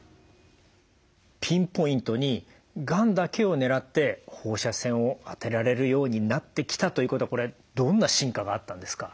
ピンポイントにがんだけを狙って放射線を当てられるようになってきたということはこれどんな進化があったんですか？